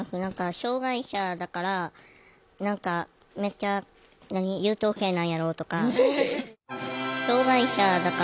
障害者だから何かめっちゃ優等生なんやろとか。